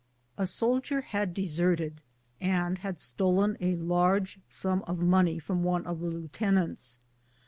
A soldier had deserted, and had stolen a large sum of money from one of the lieutenants.